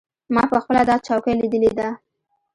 ما پخپله دا چوکۍ لیدلې ده.